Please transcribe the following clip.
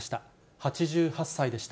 ８８歳でした。